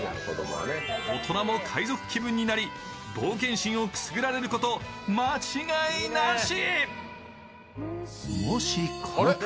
大人も海賊気分になり、冒険心をくすぐられること間違いなし。